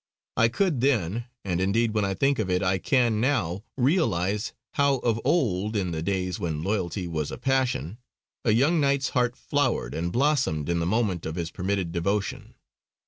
I could then, and indeed when I think of it I can now, realise how of old, in the days when loyalty was a passion, a young knight's heart flowered and blossomed in the moment of his permitted devotion.